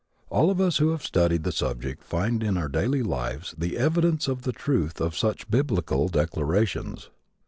All of us who have studied the subject find in our daily lives the evidence of the truth of such Biblical declarations.